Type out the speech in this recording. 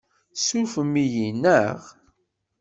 Tessurfem-iyi, naɣ?